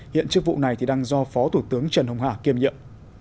hiện chức vụ này thì đang do phó thủ tướng trần hồng hà kiêm nhiệm